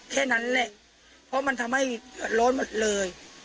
แค่นั้นแหละเพราะมันทำให้เดือดร้อนหมดเลย